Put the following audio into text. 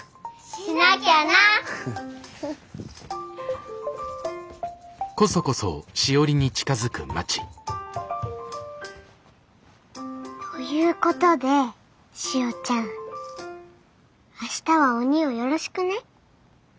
しなきゃな！ということでしおちゃん明日はおにぃをよろしくね。